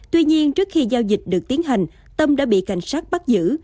tuy nhiên trước khi giao dịch được tiến hành tâm đã bị cảnh sát bắt giữ